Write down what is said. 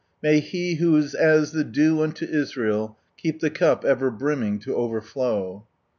May He who is as the dew imto Israel, keep the cup ever brimming to overflow